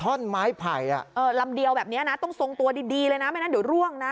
ธรรม้ายไผ่ลำเดียวแบบนี้นะต้องสมตัวดีเลยนะไม่สร้อยร่วงนะ